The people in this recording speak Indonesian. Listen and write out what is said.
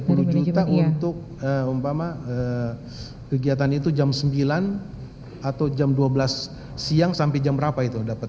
rp sepuluh juta untuk umpama kegiatan itu jam sembilan atau jam dua belas siang sampai jam berapa itu dapat